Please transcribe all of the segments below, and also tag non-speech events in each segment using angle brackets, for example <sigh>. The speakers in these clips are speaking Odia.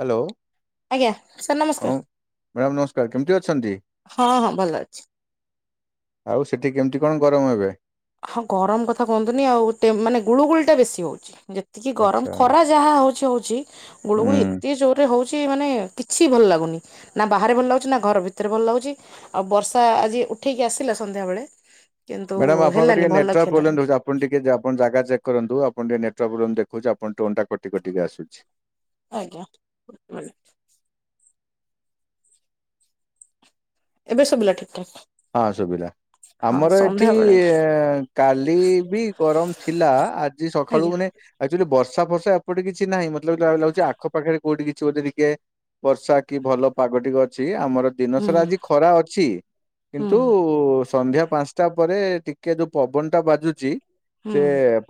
ହ୍ୟାଲୋ। ଆଜ୍ଞା ସାର୍ ହଁ ନମସ୍କାର। ମ୍ୟାଡ଼ାମ ନମସ୍କାର, କେମିତି ଅଛନ୍ତି? ହଁ ହଁ ଭଲ ଅଛି। ଆଉ ସେଠି କେମିତି କଣ ଗରମ ଏବେ? ହଁ ଗରମ କଥା କୁହନ୍ତୁନି ଆଉ ତେ- ମାନେ ଗୁଳୁ ଗୁଳି ଟା ବେଶୀ ହଉଛି। ଯେତିକି ଗରମ ଆଚ୍ଛା ଖରା ଯାହା ହଉଛି ହଉଛି ଗୁଳୁଗୁଳି ହୁଁ ଏତେ ଜୋରରେ ହଉଛି ମାନେ କିଛି ଭଲ ଲାଗୁନି। ନା ବାହାରେ ଭଲ ଲାଗୁଛି ନା ଘର ଭିତରେ ଭଲ ଲାଗୁଛି। ଆଉ ବର୍ଷା ଆଜି ଉଠେଇକି ଆସିଲା ସନ୍ଧ୍ୟାବେଳେ କିନ୍ତୁ ମ୍ୟାଡ଼ାମ ଆପଣଙ୍କ ହେଲାନି ଟିକେ ଭଲ କି ନେଟୱାର୍କ ହେଲାନି ପ୍ରୋବ୍ଲେମ୍ ରହୁଛି ଆ ଆପଣ ଟିକେ ଜା-ଆପଣ ଜାଗା ଚେକ୍ କରନ୍ତୁ ଆପଣ ଟିକେ ନେଟୱାର୍ ପ୍ରୋବ୍ଲେମ୍ ଦେଖୁଛି ଆପଣ ଟୋନ୍ ଟା କଟି କଟିକି ଆସୁଛି। ଆଜ୍ଞା ମାନେ? ଏବେ ଶୁବିଲା ଠିକ ଠାକ୍? ହଁ ଶୁବିଲା। ଆମର ଏଠି ଅ, କାଲି ବି ଗରମ ଥିଲା। ଆଜି ସଖାଳୁ ଆଜ୍ଞା ମାନେ ଆକ୍ଚୁଲି ବର୍ଷା ଫର୍ଷା ଏପଟ କିଛି ନାହିଁ। ମୋତେ ଲାଗୁ ଆଉ ଲାଗୁଛି ଆଖପଖରେ କୋଉଠି କିଛି ଗୋଟେ ଟିକେ ବର୍ଷା କି ଭଲ ପାଗ ଟିକେ ଅଛି। ଆମର ଦିନ ହୁଁ ସାରା ଆଜି ଖରା ଅଛି। ହୁଁ କିନ୍ତୁ ସନ୍ଧ୍ୟା ପାନ୍ସଟା ପରେ ଟିକେ ଯୋଉ ପବନ ଟା ବାଜୁଚି ହୁଁ ସେ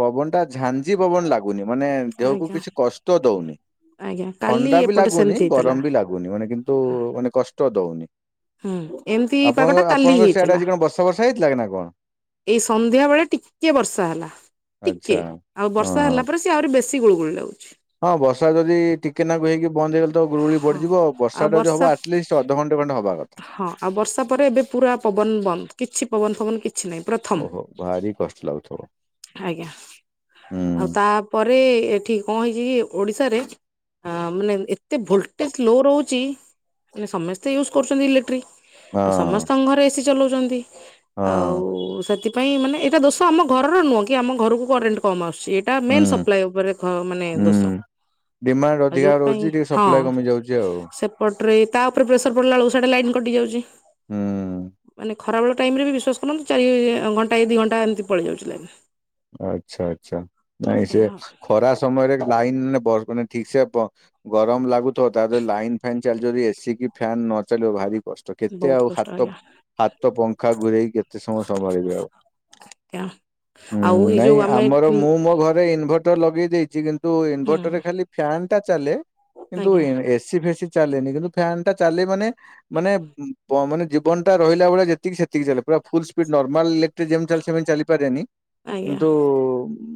ପବନ ଟା ଝାଞ୍ଜି ପବନ ଲାଗୁନି। ମାନେ ଦେହକୁ ଆଜ୍ଞା କିଛି କଷ୍ଟ ଦଉନି। ଆଜ୍ଞା କାଲି ଥଣ୍ଡା ବି ଏପଟେ ଲାଗୁନି ସେମିତି ହେଇଥିଲା। ଗରମ ବି ଲାଗୁନି। ମାନେ କିନ୍ତୁ ମାନେ କଷ୍ଟ ଦଉନି। ହୁଁ, ଏମତି ଆପଣଙ୍କ ଆପଣଙ୍କ ସିଆଡେ ଆଜି କଣ ବର୍ଷ ବର୍ଷା ହେଇଥିଲା କି ନା କଣ? ଏଇ ସନ୍ଧ୍ୟା ବେଳେ ଟିକେ ବର୍ଷା ହେଲା। ଆଚ୍ଛା ଟିକେ ଆଉ ହଁ ବର୍ଷା ହଁ। ହେଲା ପରେ କି ଆଉରି ବେଶି ଗୁଳଗୁଳି ଲାଗୁଛି। ହଁ ବର୍ଷା ଯଦି ଟିକେନାକୁ ହେଇକି ବନ୍ଦ ହେଇଗଲେ ତ ଗୁଳୁଗୁଳି ହଁ ବଡିିଯିବ। ବର୍ଷା ଟା ଯଦି ହବ ଆଟଲିଷ୍ଟ ଅଧଘଣ୍ଟ ଣ୍ଟେ ଖଣ୍ଡେ ହବା କ ହଁ ଆଉ ବର୍ଷା ପରେ ଏବେ ପୁରା ପବନ ବନ୍ଦ କିଛି ପବନ ଫବନ କିଛି ନାହିଁ। ପ୍ରଥମ ଓହୋ ଭାରି କଷ୍ଟ ଲାଗୁଥିବ ଆଜ୍ଞା ହୁଁ ଆଉ ତା ପରେ ଏଠି କଣ ହେଇଚି ଯୃ ଓଡ଼ିଶାରେ ଅ, ମାନେ ଏତେ ଭୋଲଟେଜ୍ ଲୋ ରହୁଚି ମାନେ ସମସ୍ତେ ୟୁଜ କରୁଚନ୍ତି ଇଲେକ୍ଟ୍ରି ହଁ ଆ, ସମସ୍ତ ଙ୍କ ଘରେ ଏସି ଚଲଉଚନ୍ତି। ହଁ। ଆଉ ସେଥି ପାଇଁ ମାନ ଏଟା ଦୋଷ ଆମ ଘର ର ନୁହଁ କି ଆମ ଘରକୁ କରେଣ୍ଟ କମ ଆସୁଚି ଏ ଏଟା ହୁଁ ମେନ୍ ସପ୍ଲାାଇ ଉପରେ ଘ ମାନେ ହୁଁ ଦୋଷ। ଡିମାଣ୍ଡ ଆଉ ଅଧିକା ଯୋଉଥିପାଇଁ ରହୁଛି ଟିକେ ହଁ ସପ୍ଲାଏ କମି ଯାଉଛି ଆଉ। ସେ କଟରେଇ ତା ଉପରେ ପ୍ରେସର ପଡିଲା ବେଳକୁ ସେଟା ଲାଇନ୍ କଟି ଯାଉଚି ହୁଁ ମାନେ କ ଖରାବେଳ ଟାଇମିରେ ବି ବିଶ୍ୱାସ କରନ୍ତୁ ଚାରି ଘଣ୍ଟା କି ଦି ଘଣ୍ଟା ଏମିତି ପଳେଇ ଯାଉଚି ଲାଇନ। ଆଚ୍ଛା ଆଚ୍ଛା ନାଇଁ ସେ ଏୟା ଖରା ସମୟରେ ଲାଇନ ବଗୁନି ଠିକ ସେ ବ ଗରମ ଲାଗୁଥିବ ତାଦେହରେ ଲାଇନ ଫାଇନ୍ ଚାଲ ଯଦି ଏସିି କି ଫ୍ୟନ୍ ନ ଚାଲିବ ଭାରି କଷ୍ଟ କେତେ ବହୁତ ଆଉ କଷ୍ଟ ହାତ ଆଜ୍ଞା ହାତ ପଙ୍ଖା ଘୁରେଇ କେତେ ସମୟ ସମ୍ଭାଳିବି ଆଉ। <unintelligible> ହୁଁ ଆଉ ଏଇ ନାଇଁ ଯୋଉ ଆମେ ଆମର ହୁଁ ମୁଁ ମୋ ଘରେ ଇନଭଟର ଲଗେଇ ଦେଇଚି କିନ୍ତୁ ଇନଭଟରରେ ଖାଲି ଫ୍ୟାନ୍ ଟା ଚାଲେ କିନ୍ତୁ ଆଜ୍ଞା ଏସି ଏସି ଫେସି ଚାଲେନି କିନ୍ତୁ ଫ୍ୟାନ ଟା ଚାଲିବନି ମାନେ ମାନେ ଜୀବନଟା ରିହିଲା ଭଳିଆ ଯେକି ସେତିକି ଚାଲେ ପୁରା ଫୁଲ୍ ସ୍ପିଡ ନର୍ମାଲ ଇଲେଟ୍ରି ଯେମି ଚାଲେ ସେମତି ଚାଲିପାରାରେନି। ଆଜ୍ଞା। କିନ୍ତୁ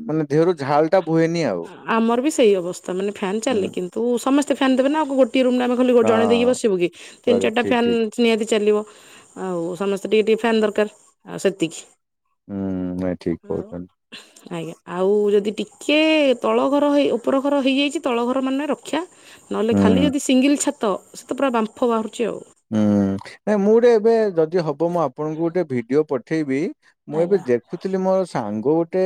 ମାନେ ଦେହରୁ ଝାଲ ଟା ବୁହେନି ଆଉ।। ଆମର ବି ସେଇ ଅବସ୍ଥା ମାନେ ଫ୍ୟାନ୍ ଚାଲେ ହୁଁ କିନ୍ତୁ ସମସ୍ତେ ଫ୍ୟାନ୍ ଦେବେ ନାଗୋଟଏ ରୁମ ଦବାକୁ ବୋଲି ଜଣେ ଦେଇକି ହଁ ବସିବୁ କି ତିନି କରେ, ଚାରୀ ଟା ଠିକ ଫ୍ୟାନ୍ ଠିକ ନିହାତି ଚାଲିବ ଆଉ ସମସ୍ତେ ଟିକେ ଟିକେ ଫ୍ୟନ୍ ଦରକାର ଆଉ ସେତିକି। ହୁଁ ଠିକ କହୁଚନ୍ତି। ଆଜ୍ଞା ଆଉ ଯଦି ଟିକେ ତଳ ଘର ହେଇ ଉପର ଘର ହେଇଯାଇଚି ତଳ ଘର ରକ୍ଷ୍ୟ ନହଲେ ହୁଁ। ଖାଲି ଯଦି ସିଙ୍ଗଲ ଛାତ ତ ସେତ ପୁରା ବାମ୍ଫ ବାହାରୁଚି ଆଉ ହୁଁ ନାଇଁ ମୁଁ ଗୋଟେ ଏବେ ଯଦି ହବ ମୁଁ ଆପଣଙ୍କୁ ଗୋଟେ ଭିଡିଓ ପଠେଇବି। ମୁଁ ଏବେ ଆଜ୍ଞା ଦେଖୁଥିଲି ମୋର ସାଙ୍ଗ ଗୋଟେ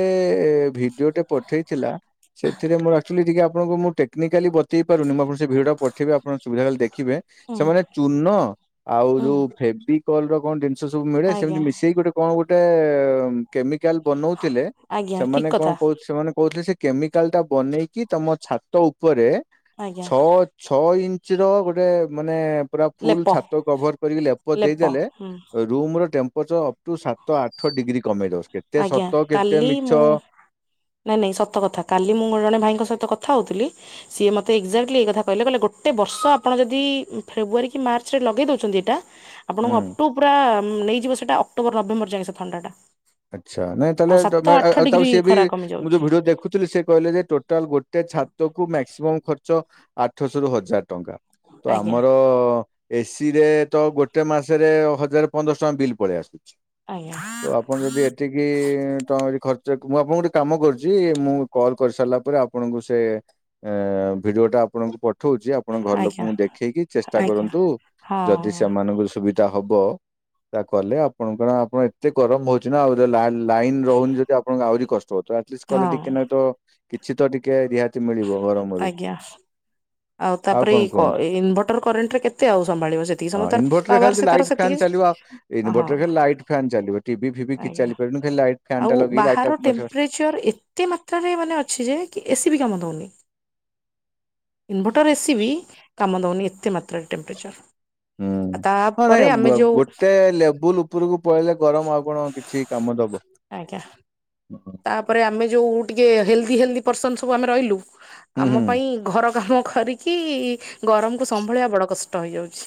ଭିଡିଓଟେ ପଠେଇଥିଲା। ସେଥିରେ ମୋର ଆକ୍ଚୁଲି ଟିକେ ଆପଣଙ୍କୁ ମୁଁ ଟେକ୍ନିକାଲି ବତେଇ ପାରୁନି ମୁ ଆପଣ ଙ୍କୁ ସେ ଭିଡିଓ ପଠେଇବି ଆପଣ ସୁବିଧା ହେଲେ ଦେଖିବେ ହୁଁ ସେମାନେ ଚୁନ ଆଉ ହୁଁ ଯୋଉ ଫେବିକଲ ର କଣ ଜିନ ସେ ସବୁ ମିଳେ ସେମିତି ଆଜ୍ଞା ମିଶେଇକି କଣ ଗୋଟେ କେମିକାଲ ବନଉଥିଲେ। ଆଜ୍ଞା ଠିକ ସେମାନେ କଣ କଥା କହୁ ସେମାନେ କହୁଥିଲେ ସେ କେମିକାଲ ଟା ବନେଇକି ତମ ଛାତ ଛାତଉପରେ ଆଜ୍ଞା ଛଅ ଛଅ ଇଞ୍ଚ ର ଗୋଟେ ମାନେ ପୁରା ଫୁଲ ଲେପ ଛାତ କଭର କରିକି ଲେପ ଦେଇଦେଲେ ରହି ରୁମ ର ଟେମ୍ପରେଚର ଅପ୍ ଟୁ ସାତ ଆଠ ଡିଗ୍ରୀ କମେଇ ଦବ କେତେ ଆଜ୍ଞା ସତ କେତେ ମିଛ। ନହିଁ ନାଇଁ ସତ କଥା କାଲି ମୁଁ ଜଣେ ଭାଇଙ୍କ ସହିତ କଥା ହେଉଥିଲି। ସିଏ ମୋତେ ଏକ୍ଜାକ୍ଟଲି ଏ କଥା କହିଲେ ଗୋଟେ ବର୍ଷ ଆପଣ ଯଦି ଫେବୃୟାରୀ କି ମାର୍ଚ୍ଚରେ ଲଗେଇ ଦଉଛନ୍ତି ଏଟା ଆପଣଙ୍କୁ ହୁଁ ଅକ୍ଟୋ ପୁରା ନେଇଯିବ ସେଇଟା ଅକ୍ଟୋବର ନଭେମ୍ବର ଯାଏ ସେ ଥଣ୍ଡା ଟା। ଆଚ୍ଛା ନାଇଁ ତାହେଲେ ତାକୁ ଡିଗ୍ରୀ ସିଏ ବି ଖରା କମି ମୁଁ ଯୋଉ ଯାଉଛି ଭିଡିଓ ଦେଖୁଥିଲି ସେ କହିଲେ ଯେ ତୋଟା ତାହେଲେଗୋଟେ ଛାତକୁୁ ମ୍ୟାକ୍ସିମମ୍ ଖର୍ଚ୍ଚ ଆଠଶ ରୁ ହଜାର ଟଙ୍କା। ତ ଆଜ୍ଞା ଆମର। ଏସିି ରେ ତ ଗୋଟେ ମାସରେ ହଜାର ପନ୍ଦରଶହଟଙ୍କା ବିଲ୍ ପଳେଇ ଆସୁଚି। ଆଜ୍ଞା। ତ ଆପଣ ଯଦି ଏତିକି ଟଙ୍କା ଯଦି ଖର୍ଚ୍ଚ ମୁଁ ଆପଣଙ୍କୁ ଗୋଟେ କାମ କରୁଚି ମୁଁ କଲ୍ କରିସାରିଲା ପରେ ଆପ ଆପଣଙ୍କୁ ସେ ଭିଡିଓ ଟା ଆପଣଙ୍କୁ ପଠଉଚି ଆପଣ ଘର ଆଜ୍ଞା ଲୋକଙ୍କୁ ଦେଖେଇକି ଚେଷ୍ଟା ଆଜ୍ଞା କରନ୍ତୁ ହଁ ଯଦି ସେମାନଙ୍କୁ ସୁବିଧା ହବ ତା କଲେ ଆପଣ କଣ ଆପଣ ଏତେ ଗରମ ହଉଚଚି ନା ଆଉ ଲାଇନ ଲାଇନ ରହୁନି ଯଦି ଆପଣଙ୍କୁ ଆହୁରି କଷ୍ଟ ହଉଥିବ ଆଜେଷ୍ଟ କଲେ ହଁ ଟିକେ ନାଁ ତ କିଛି ତ ଟିକେ ଶାନ୍ତି ମିଳିବ ଗରମରୁ। ଆଜ୍ଞା। ଆଉ ତାପରେ କଣ କୁହନ୍ତୁ ଏଇ ଇନଭର୍ଟର କରେଣ୍ଟ ରେ କେତେ ଆଉ ସମ୍ଭାଳିବ ସେତିକି ହଁ ସମୟ ତାର ପାୱାର ସେ ତାର ସେତିକି। ହଁ ଇନଭର୍ଟର ରେ ଲାଇଟ ଫ୍ୟାନ୍ ଚାଲିବ ଟିଭି ଫିଭି କିଛି ଆଜ୍ଞା ଚାଲିପାରିବନି ଖଲି ଫ୍ୟାନ୍ ଟା ଲଗେଇି ଲାଇଟ ଚର୍ ଏ ଏତେ ମାତ୍ରାରେ ମାନେ ଅଛି ଯେ କି ଏ ସି ବି କାମ ଦୋଉନେଇଁ। ଇନ୍ଟଭର ଏ ସି ବି କାମ ଦୋଉନି ଏତେ ମାତ୍ରାରେ ଟେମ୍ପରେଚର୍ ହୁଁ ଆ ତା ହଁ ନାଇଁ ବୁ ଗୋଟେ ଲେବୁଲ୍ ଉପୁରୁକୁ ପଳେଇଲେ ଗରମ ଆଉ କଣ କିଛି କାମ ଦବ? ଆଜ୍ଞା। <inaudible> ତାପରେ ଆମେ ଯୋଉ ଟିକେ ହେଲ୍ଦି ହେଲ୍ଦି ପର୍ସନ ସବୁ ଆମେ ରହିଲୁ। ହୁଁ ହୁଁ ଆମ ପାଇଁ ଘର କାମ କରିକି ଗରମକୁ ସମ୍ଭାଳିଆ ବଡ କଷ୍ଟ ହେଇଯାଉଛି।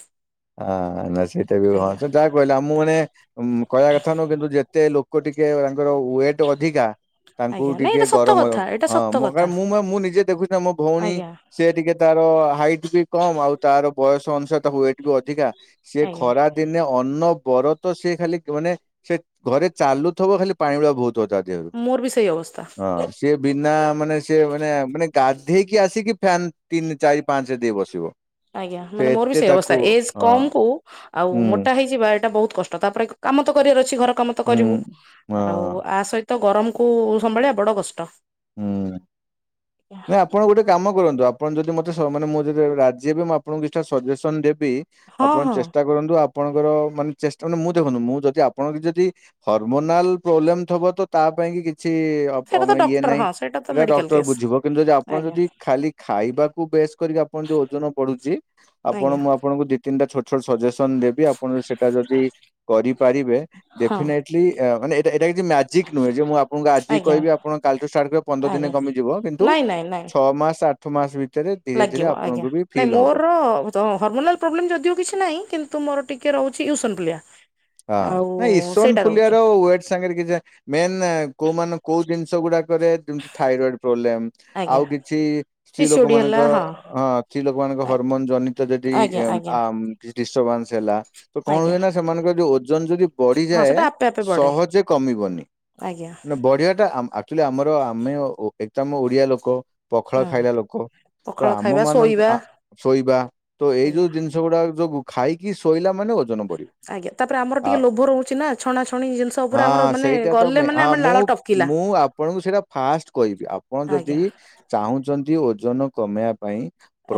ଆ ନା ସେଇଟା ବି ହଁ ଆଜ୍ଞା ସେ ଯାଆ କହିଲା ଆମୁଁ ମାନେ କହିବା କଥା ନୁହଁ କିନ୍ତୁ ଯେତେ ଲୋ ଲୋକ ଟିକେ ତାଙ୍କର ୱେଟ୍ ଅଧିକା। ତାଙ୍କୁ ଆଜ୍ଞା ନାଇଁ ଟିକେ ଏଇଟା ସତ ଗରମ୍ କଥା ଗରମ୍ ଏଇଟା ହଁ ସତ ମୁଁ କାଇଁ କଥା ମୁଁ ମୋର ମୁଁ ନିଜେ ଦେଖୁଛି ନା ମୋ ଭୋଉଣୀ ଆଜ୍ଞା ସେ ଟିକେ ତାର ହାଇଟ୍ ବି କମ୍ ଆଉ ତାର ବୟସ ଅନୁସାରେ ତା ୱେଟ ବି ଅଧିକା। ସିଏ ଆଜ୍ଞା। ଖରା ଦିନେ ଅନ୍ନବରତ ସେ ଖାଲି ମାନେ ସେ ଘରେ ଚାଲୁଥୁବ ଖାଲି ପାଣି ଗୁଡା ବୋହୁ ଥୁବ ତା ଦେହରୁ ମୋର ବି ସେଇ ଅବସ୍ଥା ହଁ ସେ ବିନା ମାନେ ସେ ମାନେ ମାନେ ତାଧେଇକି ଆସିକି ଫ୍ୟାନ୍ ତିନ୍ ରେ ଚାରି ପାଞ୍ଚ୍ ରେ ଦେଇକି ବସିବ। ଆଜ୍ଞା ସେ ମାନେ ମୋର ବି ଏତେ ସେଇ ଅବସ୍ଥା ତାକୁ ଏଜ୍ ହଁ କମ୍ କୁ ଆଉ ହୁଁ ମୋଟା ହେଇଯିବା ଏଇଟା ବୋହୁତ୍ କଷ୍ଟ ତାପରେ କାମ ତ କରିଆର ଅଛି ଘର କାମ ତ ହୁଁ କରିବୁ ହଁ ଆଉ ଆ ସଇ ତ ଗରମ୍ କୁ ସମ୍ଭାଳିଆ ବଡ କଷ୍ଟ। ହୁଁ ନା ଇଁ ଆପଣ ଗୋଟେ କାମ କରନ୍ତୁ ଆପଣ ଯଦି ମତେ ସ ମାନେ ମୁଁ ଯେତେବେଳେ ରାଜି ହେବି ମୁଁ ଆପଣଙ୍କୁ ନିଶ୍ଚୟ ସଜେସନ୍ ଦେବି। ହଁ ଆପଣ ହଁ ଚେଷ୍ଟା କରନ୍ତୁ ଆପଣଙ୍କର ମାନେ ଚେଷ୍ଟା ନୁହଁ ମୁଁ ଦେଖନ୍ତୁ ମୁଁ ଯଦି ଆପଣ ଯଦି ହରମୋନାଲ୍ ପ୍ରୋବ୍ଲେମ ଥବ ତ ତା ପାଇଁ କି କିଛି ଅ ବ ସେଇଟା ତ ମାନେ ଇଏ ଡକ୍ଟର ନାହିଁ। ହଁ ତ ସେଇଟା ମେଡିକାଲ ଡକ୍ଟର କେସ୍ ବୁଝିବ କିନ୍ତୁ ଯଦି ଆପଣ ଆଜ୍ଞା ଯଦି ଖାଲି ଖାଇବାକୁ ବେସ୍ କରିକି ଆପଣଙ୍କ ଯୋଉ ଓଜନ ବଢୁଚି। ଆପଣ ଆଜ୍ଞା ମୁଁ ଆପଣ ଆପଣଙ୍କୁ ଦି ତିନ୍ଟା ଛୋଟ ଛୋଟ ସଜେସନ୍ ଦେବି ଆପଣ ସେଟା ଯଦି କରିପାରିବେ ହଁ ଡେଫିନାଇ ଟ୍ଲି ଏ ମାନେ ଏଇଟା ଏଇଟା କିଛି ମ୍ୟାଜିକ୍ ନୁହେଁ ଯେ ମୁଁ ଆପଣଙ୍କୁ ଆଜି ଆଜ୍ଞା କହିବି ଆପଣ କାଲ୍ ଠୁ ଷ୍ଟାର୍ଟି କ ପନ୍ଦର ଆଜ୍ଞା। ଦିନେ କମିଯିବ କିନ୍ତୁ ନାଇଁ ନାଇଁ ନାଇଁ ଛଅ ମାସ୍ ଆଠ ମାସ୍ ଭିତରେ ଧୀରେ ଧୀରେ ଲାଗିବ ଆଜ୍ଞା ଆପଣଙ୍କୁ ବି ନାଇଁ ଫିଲ୍ ହବ। ମୋର ତ ହର୍ମୋନାଲ୍ ପ୍ରୋବ୍ଲେମ ଯଦିଓ କିଛି ନାହିଁ କିନ୍ତୁ ମୋର ଟିକେ ରହୁଛି ୟୁସନଫୁଲିଆ। ହଁ ଆଉ ନାଇଁ ଈଶନ୍ ସେଇଟା ଫୁଲିଆ ରହୁଛି ୱେ ସାଙ୍ଗରେ କିଛି ଯାଏ ମେନ୍ କୋଉ ମାନ କୋଉ ଦିନ୍ଷ ଗୁଡାକରେ ଦୁଁ ଥାଇରଏଡ୍ ପ୍ରୋବ୍ଲେମ୍। ଆଜ୍ଞା ଆଉ କିଛି ସ୍ତ୍ରୀ ଲୋକ ପିସିଓଡି ହେଲା ମାନଙ୍କର ହଁ ତ୍ରି ଲୋକମାନଙ୍କ ହରମୋନ୍ ଜନିତ ଦେଦି ଆଜ୍ଞା ଏମ୍ ଆଜ୍ଞା ଆମ୍ କିଛି ଡିଷ୍ଟ୍ରବାନ୍ସ ହେଲା। ତ କଣ ଆଜ୍ଞା ହୁଏ ନା ସେମାନଙ୍କ ଓଜନ୍ ଯଦି ହଁ ସେଟା ବଢିଯାଏ ଆପେ ଆପେ ବଢେ ସହଜେ କମିବନି। ଆଜ୍ଞା ନା ବଢିଆ ଟା ଆମ୍ ଆକ୍ଚୁଲି ଆମର ଆମେ ଓ ଓ ଏକ୍ ତ ଆମ ଓଡିଆ ଲୋକ। ପଖାଳ ହୁଁ। ଖାଇଲା ଲୋକ ତ ପଖାଳ ଆମ ଖାଇବା ମାନଙ୍କ ଶୋଇବା ଆ ଶୋଇବା ତୋ ଏଇ ଯୋଉ ଆଜ୍ଞା। ଜିନିଷ ଜିନ୍ସ ଗୁଡାକ ଯୋଗୁ ଖାଇକି ଶୋଇଲା ମାନେ ଓଜନ ବଢିବ। ଆଜ୍ଞା ତାପରେ ଆମର ଆ ଟିକେ ଲୋଭ ରୋହୁଛି ନା ଛଣା ଛଣି ଜିନ୍ଷ ଉପରେ ଆମର ହଁ ମାନେ ସେଇଟା ତ ଗଲେ ମେ- ମାନେ ହଁ ଆମ ମୁଁ ଲାଳ ଟପ୍ ମୁଁ ଆପଣଙ୍କୁ ସେଇଟା ଫାଷ୍ଟ କଇବି ଆପଣ ଯଦି ଆଜ୍ଞା ଚାହୁଁଚନ୍ତି ଓଜନ କମେଇଆ ପାଇଁ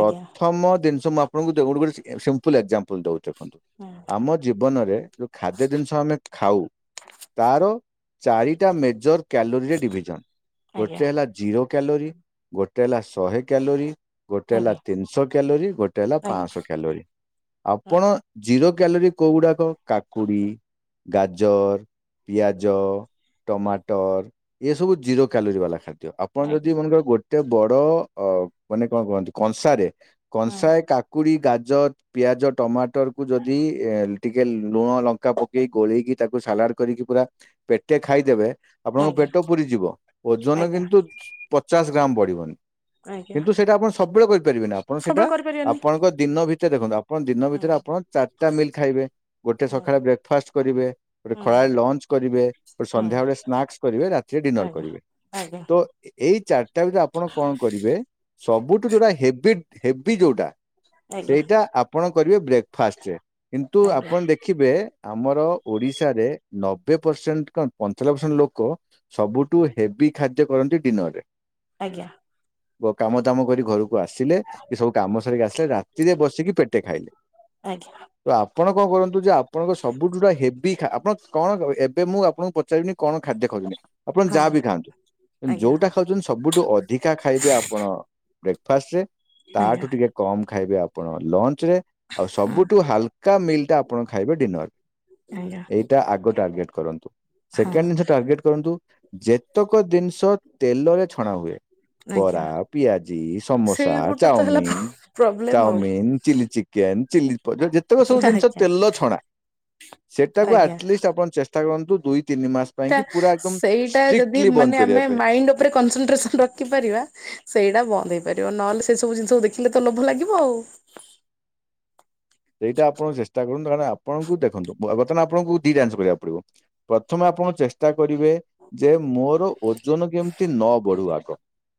ଆଜ୍ଞା ଦିନ୍ଷ ମୁଁ ଆ ଆପଣଙ୍କୁ ଦେଖନ୍ତୁ ଗୋଟେ ଗୋଟେ ସିମ୍ ଏ ସିମ୍ପୁଲ୍ ଏକ୍ସଜାମ୍ପୁଲ୍ ଦୋଉଚି ଦେଖନ୍ତୁ? ହାଁ। ଆମ ଜୀବନରେ। ଯୋଉ ଖାଦ୍ୟ ଜିନିଷ ଆମେ ଖାଉ ତାର ଚାରିଟା ମେଜର କ୍ୟାଲୋରିରେ ଡିଭିଜନ। ଆଜ୍ଞା ଗୋଟେ ହେଲା ଜିରୋ କ୍ୟାଲୋରି ଗୋଟେ ହେଲା ଶହେ କ୍ୟାଲୋରି ଗୋଟେ ହେଲା ଆଜ୍ଞା ତିନିଶହ କ୍ୟାଲୋରିଗୋଟେ ହେଲା ଆଜ୍ଞା ହୁଁ। ପାଞ୍ଚଶହ କ୍ୟାଲୋରୀ। ଆପଣ ଜିରୋ କ୍ୟାଲୋରୀ କୋଉ ଗୁଡାକ କାକୁଡି ଗାଜର ପିଆଜ ଟମାଟର ଏସବୁ ଜିରୋ କ୍ୟାଲୋରି ବାଲା ଖାଦ୍ୟ। ଆପଣ ଆଜ୍ଞା ହୁଁ ଯଦି ମନେ କର ଗୋଟେ ବଡ ଅ ମାନେ କଣ କୁହନ୍ତି କଂସାରେ କଂସାଏ କାକୁଡି ଗାଜର ପିଆଜ ଟମାଟର କୁ ଯଦି ଏ ଟିକେ ଲୁଣ ଲଙ୍କା ପକେଇି ଗୋଳେଇକି ତାକୁ ସାଲାଡ କରିକି ପୁରା ପେଟେ ଖାଇଦେବେ ଆପଣଙ୍କ ଆଜ୍ଞା ପେଟ ପୁରି ଯିବ ଓଜନ ଆଜ୍ଞା କିନ୍ତୁ ପଚାଶ ଗ୍ରାମ ବଢିବନି। ଆଜ୍ଞା କିନ୍ତୁ ସେଇଟା ଆପଣ ସବୁବେଳେ କରିପାରିବେ ନି ଆପଣ ସେଇଟା ସବୁବେଳେ କରିପାରିବାନି। ଆପଣଙ୍କ ଦିନ ଭିତରେ ଦେଖନ୍ତୁ ଆପଣ ଦିନ ଭିତରେ ଆପଣ ଚାରିଟା ମିଲ୍ ଖାଇବେ ଗୋଟେ ହୁଁ ସକାଳେ ବ୍ରେକ୍ଫାଷ୍ଟ କରିବେ। ଗୋଟେ ହୁଁ ଖଳାରେ ଲଞ୍ଚ କରିବେ ଗୋଟେ ହୁଁ ସନ୍ଧ୍ୟାବେେଳେ ସ୍ନାକ୍ସ କରିବେ ରାତିରେ ଡିନର ଆଜ୍ଞା କରିବେ। ଆଜ୍ଞା। ତ ଏଇ ଚାରିଟା ଭିତରେ ଆପଣ କଣ କରିବେ ସବୁଠୁ ଯୋଉଟା ହେଭି ହେଭି ଯୋଉଟା। ଆଜ୍ଞା ସେଇଟା ଆପଣ କରିବେ ବ୍ରେକ୍ଫାଷ୍ଟରେ କିନ୍ତୁ ଆଜ୍ଞା ଆପଣ ଦେଖିବେ ଆମର ଓଡିଶାରେ ନବେ ପରସେଣ୍ଟ କଣ ପଞ୍ଚାନବେ ପରସେଣ୍ଟ ଲୋକ ସବୁଠୁ ହେଭି ଖାଦ୍ୟ କରନ୍ତି ଡିନର ରେ। ଆଜ୍ଞା। କାମ ଦାମ କରି ଘରକୁ ଆସିଲେଏ ସବୁ କାମ ସାରିକି ଆସିଲେ ରାତିରେ ବସିକି ପେଟେ ଖାଇଲେ। ଆଜ୍ଞା ତ ଆପଣ କଣ କରନ୍ତୁ ଯେ ଆପଣ ସବୁଠାରୁ ହେଭି ବି ଆପଣ କଣ ଏବେ ମୁଁ ଆପଣଙ୍କୁ ପଚାରିବିନି କଣ ଖାଦ୍ୟ ଖାଉଛନ୍ତି। ଆପଣ ହଁ ଯାହା ବି ଖାଆନ୍ତୁ ଆଜ୍ଞା ଯୋଉଟା ସବୁଠୁ ଅଧିକା ଖାଇବେ ଆପଣ ବ୍ରେକଫାଷ୍ଟ ରେ ଆଜ୍ଞା ତାଠୁ ଟିକେ କମ ଖାଇବେ ଆପଣ। ଲଞ୍ଚ ରେ ଆଉ ହଁ ସବୁଠୁ ହାଲକା ମିଲ୍ ଟା ଆପଣ ଖାଇବେ ଡିନର। ଆଜ୍ଞା ଏଇଟା ଆଗ ଟାର୍ଗେଟ କରନ୍ତୁ। ହଁ ସେକେଣ୍ଡ ଜିନିଷ ଟାର୍ଗେଟ କରନ୍ତୁ ଯେତେକ ଜିନିଷ ତେଲରେ ଛଣା ହୁଏ। ଆଜ୍ଞା ବରା, ପିଆଜି, ସମୋସା, ସେଇ ଗୋଟେ ତ ହେଲା ଚାଉମିନ, ପ୍ରୋବ୍ଲେମ ଆଉ ଚାଉମିନ ଚିଲି ଚିକ ଚିକେନ ଚିଲ୍ଲି ଶଟ ହେଇଛ <unintelligible> ତେଲ ଛଣା ସେଟାକୁ ଆଲିଷ୍ଟ ଆପଣ ଚେଷ୍ଟା କରନ୍ତୁ ଦୁଇ ତିନି ମାସ ପାଇଁ କି ପୁରା ସେଟା ଏକଦମ ସେଇଟା ଯଦି ଷ୍ଟ୍ରିକ୍ଟଲି ବନ୍ଦ ମାନେ କରିବା ଆମେ ପାଇଁ ମାଇଣ୍ଡ ଉପରେ କନସନଟ୍ରେସନ ରଖିପାରିବା। ସେଇଟା ବନ୍ଦ ହେଇପାରିବ। ନହେଲେ ସେ ସବୁ ଜିନିଷ ଦେଖିଲେ ତ ଲୋଭ ଲାଗିବ ଆଉ। ସେଇଟା ଆପଣ ଚେଷ୍ଟା କରନ୍ତୁ କାରଣ ଆପଣଙ୍କୁ ଦେଖନ୍ତୁ ବର୍ତ୍ତମାନ ଆପଣଙ୍କୁ ଦି ଟା ଜିନିଷ କରିବାକୁ ପଡିବ। ପ୍ରଥମେ ଆପଣ ଚେଷ୍ଟା କରିବେ ଯେ ମୋରଓ ଓ ଜନ କେମିତି ନ ବଢୁ ଆଗ।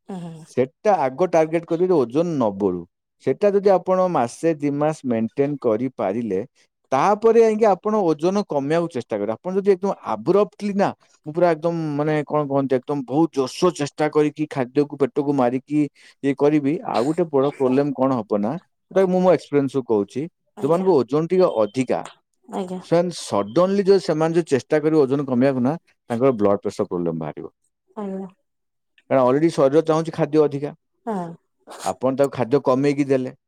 ହୁଁ ସେ ସେଟା ଆଗ ଟାର୍ଗେଟ କରିବି ଓଜନ ନବଢୁ। ସେଟା ଯଦି ଆପଣ ମାସେ ଦି ମାସ ମେଣ୍ଟେନ କରିପାରିଲେ! ତାପରେ ଯାଇକି ଆପଣ ଓଜନ କମେଇ ବାକୁ ଚେଷ୍ଟା କରିବେ। ଆପଣ ଯଦି ଆବ୍ର ନା <unintelligible> ମୁଁ ପୁରା ଏକଦମ ମାନେ କଣ କହନ୍ତି ଏକଦମ ବହୁତ ଜୋରସର ଚେଷ୍ଟା କରିକି ଖାଦ୍ୟକୁ ପେଟକୁ ମାରିକି। ଇଏ କରିବି ଆଉ ଗୋଟେ ବଡ ପ୍ରୋବ୍ଲେମ କଣ ହବ ନା ସେଟା ମୁଁ ମୋ ଏକ୍ସପିରିଏନ୍ସ ରୁ କହୁଛି। ଆଜ୍ଞା ଯୋଉମାନଙ୍କୁ ଓଜନ ଟିକେ ଅଧିକା। ଆଜ୍ଞା। ସେମାନେ ସଡନଲି ଯୋଉ ସେମାନେ ଯୋଉ ଚେଷ୍ଟା କରିବେ ଓଜନ କମେଇକୁ ନା ତାଙ୍କର ବ୍ଲଡ ପ୍ରେସର ପ୍ରୋବ୍ଲେମ ବାହାରିବ। ହାଲୋ କାରଣ ଅଲରେଡି ସରିର ଚାହୁଁଛି ଖାଦ୍ଯ ଅଧିକା। ହଁ ଆପଣ ତାକୁ ଖାଦ୍ୟ କମେଇକି ଦେଲେ।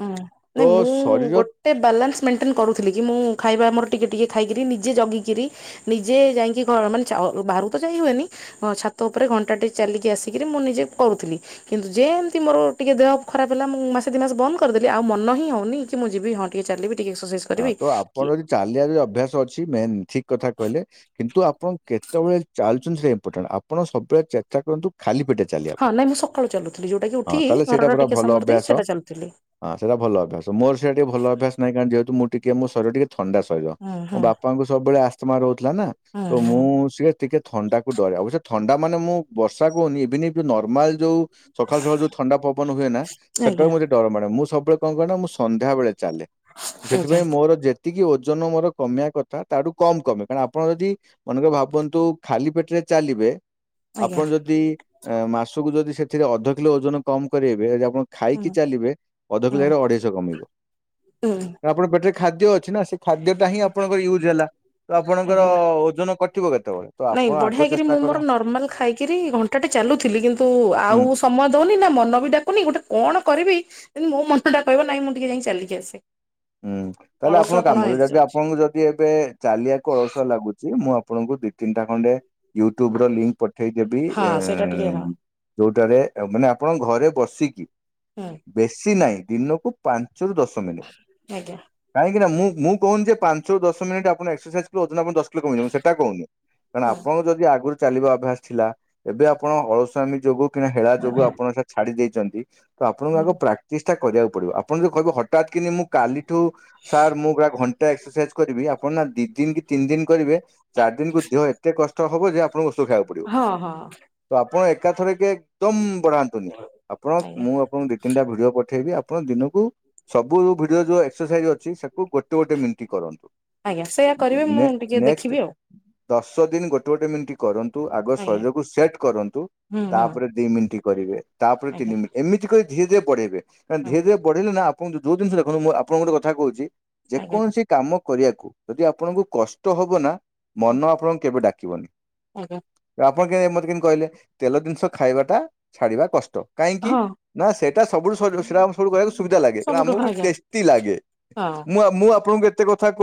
ହୁଁ ତ ନାଇଁ ମୁଁ ଶରୀର ଗୋଟ ଟେ ବାଲାନ୍ସ ମେଣ୍ଟେନ୍ କରୁଥିଲି କି ମୁଁ ଖାଇବା ଆମର ଟିକିଏ ଟିକିଏ ଖାଇକିରି ନିଜେ ଜଗିକିରି ନିଜେ ଯାଇକି ଘର ମାନେ ଚାଉଓ ବାହାରକୁ ତ ଯାଇ ହୁଏନି ହଁ ଛାତ ଉପରେ ଘଣ୍ଟାଟେ ଚାଲିକି ଆସିକିରି ମୁଁ ନିଜେ କରୁଥିଲି। କିନ୍ତୁ ଯେମିତି ମୋର ଟିକେ ଦେହ ଖରାପ ହେଲା ମୁଁ ମାସେ ଦିଇ ମାସ ବନ୍ଦ କରିଦେଲି ଆଉ ମନ ମନହିଁ ହଉନିକି ମୁଁ ଯିବି ହଁ ଟିକେ ଚାଲିବି ଟିକେ ଏକ୍ସରସାଇଜ ହଁ କରିବି ତୋ କି ଆପଣଙ୍କ ଯିଦି ଚାଲିିବା ଯ ଅଭ୍ୟାସ ଅଛି ମେନ ଠିକ କଥା କହିଲେ କିନ୍ତୁ ଆପଣ କେତେବେଳେ ଚାଲୁଛନ୍ତି ସେ ଇମ୍ପୋର୍ଟାଣ୍ଟ, ଆପଣ ସବୁବେଳେ ଚେଷ୍ଟା କରନ୍ତୁ ଖାଲି ପେଟରେ ଚାଲିବା ହଁ ପାଇଁ, ନାଇଁ ମୁଁ ସକାଳୁ ଚାଲୁଥିଲି ଯୋଉଟା କି ହଁ ଉଠିକି ତାହେଲେ ସେଇଟା ଘରର ପୁରା ଟିକେ ଭଲ ସମୟ ଦେଇ ଅଭ୍ୟାସ। ସେଟା ଚାଲୁଥିଲି ହଁ ସେଟା ଭଲ ଅଭ୍ୟାସ। ମୋର ସେଇଟା ଟିକେ ଭଲ ଅଭ୍ୟାସ ନାହିଁ କାରଣ ଯେହେତୁ ମୁଁ ଟିକେ ମୋ ଶରୀର ଟିକେ ଥଣ୍ଡା ଶରୀର। ହୁଁ ମୋ ହୁଁ ବାପାଙ୍କୁ ସବୁବେଳେ ଆସ୍ମା ରହୁଥିଲା ନା, ହୁଁ ତୋ ହୁଁ ମୁଁ ସିଏ ଟିକେ ଥଣ୍ଡାକୁ ଡରେ। ଅବଶ୍ୟ ଥଣ୍ଡା ମାନେ ମୁଁ ବର୍ଷାକୁ ଇଭିନିବି ନର୍ମାଲ ଯୋଉ ସକାଳୁ ସକାଳୁ ଯୋଉ ଥଣ୍ଡା ପବନ ହୁଏ ନା, ସେଟାକୁ ଆଜ୍ଞା ମୋତେ ଡର ମାଡ଼େ। ମୁଁ ସବୁବେଳେ କଣ କରେ ନା ମୁଁ ସନ୍ଧ୍ୟାବେଳେ ଚାଲେ। ଆଜ୍ଞା ସେଥିପାଇଁ ମୋର ଯେତିକି ଓଜନ ମୋର କମେଇ କଥା ତାଠୁ କମ କମେ। କାରଣ ଆପଣ ଯଦି ମନେକର ଭାବନ୍ତୁ ଖାଲି ପେଟରେ ଚାଲିବେ ଆଜ୍ଞା ଆପଣ ଯଦି ଏ ମାସକୁ ଯଦି ସେଥିରେ ଅଧ କିଲୋ ଓଜନ କମ କରେଇବେ ଏଯ ଆପଣ ହୁଁ ଖାଇକି ଚାଲିବେ, ଅଧ ହୁଁ କିଲୋ ଜାଗାରେ ଅଢେଇଶହ କମିବ। ହୁଁ। ଆପଣଙ୍କ ପେଟରେ ଖାଦ୍ୟ ଅଛି ନା, ସେ ଖାଦ୍ୟଟା ହିଁ ଆପଣଙ୍କର ୟୁଜ୍ ହେଲା। ତ ଆପଣଙ୍କର ଆଜ୍ଞା ଓଜନ କଟ ଟିବ କେତେବେଳେ? ତ ନାଇଁ ଆପଣ ଆଗ ବଢିଆକିରି ଚେଷ୍ଟା ମୁଁ କର ମୋର ନର୍ମାଲ ଖାଇକିରି ଘଣ୍ଟାଟେ ଚାଲୁଥିଲି, କିନ୍ତୁ ହୁଁ ଆଉ ସମୟ ଦଉନି, ନା ମନ ବି ଡାକୁନି, ଗୋଟେ କଣ କରିବି କିନ୍ତୁ ମୋ ମନଟା କହିବ ନାଇଁ ମୁଁ ଟିକେ ଯାଇଁ ଚାଲିକି ଆସେ। ହୁଁ। ତାହେଲେ ଆପଣ ଅଳସୁଆପଣ କାମ କରନ୍ତୁ ଯଦି ହେଇଯାଉଛି ଆପଣଙ୍କୁ ଯଦ ଯଦି ଏବେ ଚାଲିଆକୁ ଅଳସୁଆ ଲାଗୁଛି, ମୁଁ ଆପଣଙ୍କୁ ଦି ତିନଟା ଖଣ୍ଡେ ୟୁଟ୍ୟୁବର ଲିଙ୍କ ପଠ ପଠେଇଦେବି, ଆଁ ହଁ ସେଇଟା ଟିକେ ହଁ ଏ ଯୋଉଟାରେ ମାନେ ଆପଣ ଘରେ ବସିକି ହୁଁ। ବେଶୀ ନାହିଁ, ଦିନକୁ ପାଞ୍ଚରୁ ଦଶ ମିନିଟ୍ ଆଜ୍ଞା। କାହିଁକିନା ମୁଁ ମୁଁ କହୁନି ଯେ ପାଞ୍ଚରୁ ଦଶ ମିନିଟ ଆପଣ ଏକ୍ସରସାଇଜ୍ କରୁଛନ୍ତି ଆପଣ ଦଶ ଦଶ କିଲୋ କମିଯିବ, ମୁଁ ସେଇଟା କହୁନି। କାରଣ ଆପଣଙ୍କ ଯଦି ଆଗୁରୁ ଚାଲିବା ଅଭ୍ୟାସ ଥିଲା, ଏବେ ଆପଣ ଅଳସୁଆମୀ ଯୋଗୁ କିଣା ହେଳା ଯୋଗୁ ଆପଣ ସେଟା ଛାଡି ଦେଇଛନ୍ତି ତ ଆପଣଙ୍କୁ ଆଗ ପ୍ରାକ୍ଟିସଟା କରିବାକୁ ପଡିବ। ଆପଣ ଯଦି କହିବେ ହଠାତ୍ କିିନି ମୁଁ କାଲିଠୁ ସାର୍ ମୁଁ ପୁରା ଘଣ୍ଟାଏ ଏକ୍ସରସାଇଜ କରିବି, ଆପଣ ନା ଦି ଦିନ କି ତିନି ଦିନ କରିବେ ଚାରି ଦିନକୁ ଦେହ ଏତେ କଷ୍ଟ ହବ ଯେ, ଆପଣଙ୍କୁ ଔଷଧ ଖାଇବାକୁ ପଡିବ। ହଁ ହଁ ହଁ। ତ ଆପଣ ଏକାଥରେ କି ଏକଦମ ବଢାନ୍ତୁନି। ଆପଣ ଆଜ୍ଞା ମୁଁ ଆପଣଙ୍କୁ ଦେଖି ତିନଟା ଭିଡିଓ ପଠେଇବି, ଆପଣ ଦିନକୁ ସବୁ ଭିଡିଓ ଯୋଉ ଏକ୍ସରସାଇଜ ଅଛି ସେକୁ ଗୋଟେ ଗୋଟେ ଗୋଟେ ମିଣ୍ଟି କରନ୍ତୁ। ଆଜ୍ଞା ସେଇୟା କରିବେ ମୁଁ ଟିକେ ନେ-ନେକ୍ସଟ୍ ଦେଖିବି ଆଉ ଦଶ ଦିନ ଗୋଟେ ଗୋଟେ ମିନିଟ୍ କରନ୍ତୁ, ଆଗ ଆଜ୍ଞା ଶରୀରକୁ ସେଟ କରନ୍ତୁ। ହୁଁ ହୁଁ ତାପରେ ଦି ମିନିଟ କରିବେ, ତାପରେ ଆଜ୍ଞା ତିନି ମିନି ଏମିତି କରି ଧୀରେ ଧୀରେ ବଢେଇବେ। କାରଣ ହଁ ଧୀରେ ଧୀରେ ବଢେଇଲେ ନା ଆପଣ ଯୋଉ ଜିନିଷ ଦେଖନ୍ତୁ, ମୁଁ ଆପଣଙ୍କୁ ଗୋଟେ କଥା କହୁଛି ଆଜ୍ଞା ଯେକୌଣସି କାମ କରିଆକୁ ଯଦି ଆପଣଙ୍କୁ କଷ୍ଟ ହବ ନା ମନ ଆପଣଙ୍କୁ କେବେ ଡାକିବନି। ଆଜ୍ଞା। ଆପଣ କେମିତି ମତେ କେମିତି କହିଲେ, ତେଲ ଜିନିଷ ଖାଇବାଟା ଛାଡିବା କଷ୍ଟ। କାହିଁକି? ହଁ ନା ସେଇଟା ସବୁଠୁ ସହଜ ସେଇଟା ଆମକୁ ସବୁ କହିବାକୁ ସୁବିଧା ଲାଗେ, କାରଣ ସବୁଠୁ ଆମକୁ ବି ଆଜ୍ଞା ଟେଷ୍ଟି ଲାଗେ। ହଁ। ମୁଁ ଆପ ମୁଁ ଆପଣଙ୍କୁ ଏତେ କଥା କହୁ